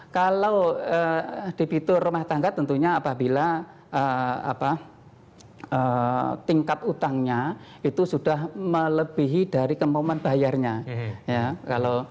kalau di fitur rumah tangga tentunya apabila tingkat utangnya itu sudah melebihi dari kemampuan bayarnya